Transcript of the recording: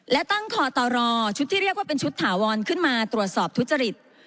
และตั้งคอตรชุดที่เรียกว่าเป็นชุดถาวรขึ้นมาตรวจสอบทุจริต